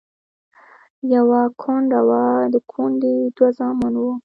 يوه کونډه وه، د کونډې دوه زامن وو.